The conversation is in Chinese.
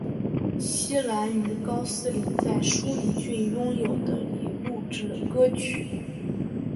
希兰于高斯林在舒梨郡拥有的里录制了歌曲。